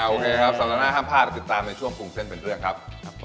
โอเคครับสัปดาห์หน้าห้ามพลาดติดตามในช่วงปรุงเส้นเป็นเรื่องครับ